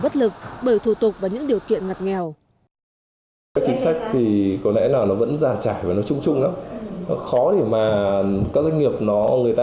thực bởi thủ tục và những điều kiện ngặt nghèo